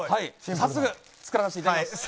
早速作らせていただきます。